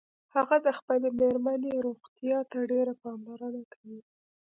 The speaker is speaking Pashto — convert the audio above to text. هغه د خپلې میرمنیروغتیا ته ډیره پاملرنه کوي